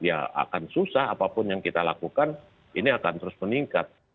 ya akan susah apapun yang kita lakukan ini akan terus meningkat